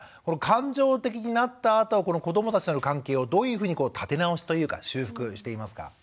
感情的になったあと子どもたちとの関係をどういうふうに立て直しというか修復していますか？